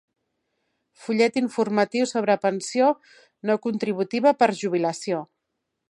Fullet informatiu sobre Pensió no contributiva per jubilació.